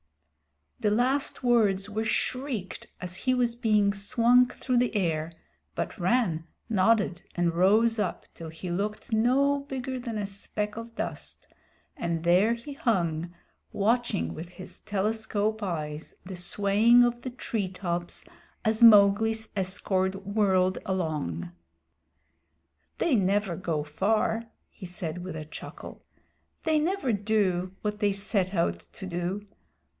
The last words were shrieked as he was being swung through the air, but Rann nodded and rose up till he looked no bigger than a speck of dust, and there he hung, watching with his telescope eyes the swaying of the treetops as Mowgli's escort whirled along. "They never go far," he said with a chuckle. "They never do what they set out to do.